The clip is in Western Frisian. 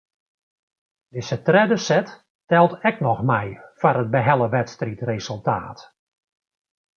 Dizze tredde set teld ek noch mei foar it behelle wedstriidresultaat.